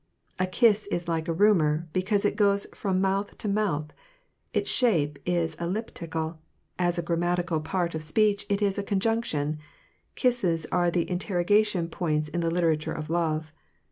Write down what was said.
A kiss is like a rumor, because it goes from mouth to mouth; its shape is a lip tickle; as a grammatical part of speech it is a conjunction; kisses are the interrogation points in the literature of love.